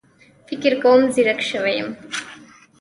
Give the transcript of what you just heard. فکر کوم ځيرک شوی يم